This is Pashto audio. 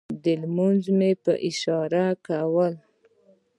لمونځونه مې په اشارې کول.